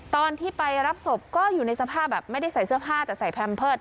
ตอนที่ไปรับศพก็อยู่ในสภาพแบบไม่ได้ใส่เสื้อผ้าแต่ใส่แพมเพิร์ต